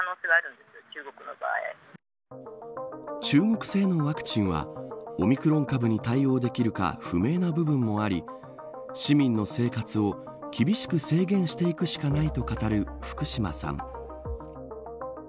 中国製のワクチンはオミクロン株に対応できるか不明な部分もあり市民の生活を厳しく制限していくしかないと語る、福島さん。